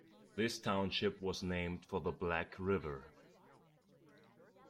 This township was named for the Black River.